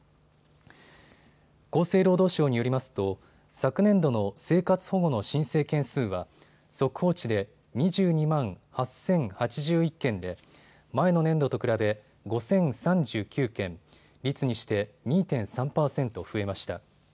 厚生労働省によりますと昨年度の生活保護の申請件数は速報値で２２万８０８１件で前の年度と比べ５０３９件、率にして２．３％増えました。